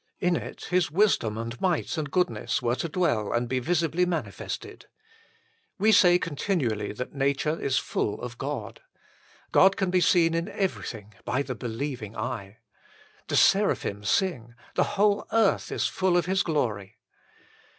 In it His wisdom and might and goodness were to dwell and be visibly manifested. We say continually that nature is full of God. God can be seen in everything by the believing eye. The Seraphim sing : the whole earth is full of His glory.